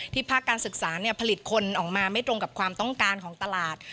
ภาคการศึกษาผลิตคนออกมาไม่ตรงกับความต้องการของตลาด